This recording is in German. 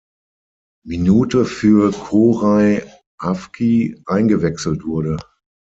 Minute für Koray Avcı eingewechselt wurde.